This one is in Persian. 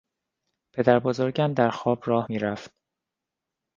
پدر بزرگم در خواب راه می رفت.